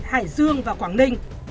hải dương và quảng ninh